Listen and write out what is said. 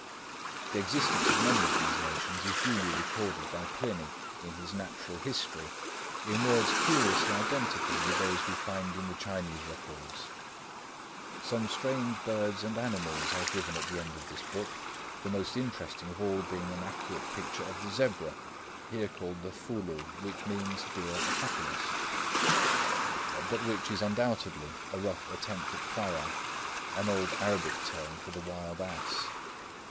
The existence of many of these nations is duly recorded by Pliny in his Natural History, in words curiously identical with those we find in the Chinese records. Some strange birds and animals are given at the end of this book, the most interesting of all being an accurate picture of the zebra, here called the Fu lu, which means "Deer of Happiness," but which is undoubtedly a rough attempt at fara, an old Arabic term for the wild ass.